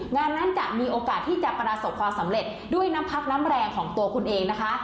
งานนั้นจะมีโอกาสที่จะประสบความสำเร็จด้วยน้ำพักน้ำแรงของตัวคุณเองนะคะ